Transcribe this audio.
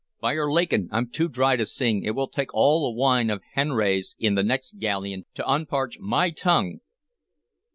By 'r lakin! I'm too dry to sing. It will take all the wine of Xeres in the next galleon to unparch my tongue!"